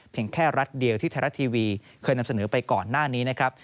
แค่รัฐเดียวที่ไทยรัฐทีวีเคยนำเสนอไปก่อนหน้านี้นะครับ